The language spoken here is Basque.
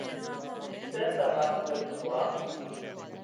Zer da banku etikoa?